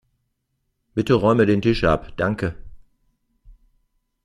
Bitte räume den Tisch ab, danke.